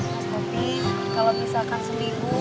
mas kopi kalau misalkan seminggu